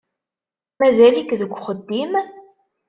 Mazal-ik deg uxeddim?